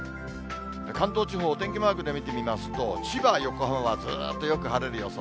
関東地方、お天気マークで見てみますと、千葉、横浜はずっとよく晴れる予想。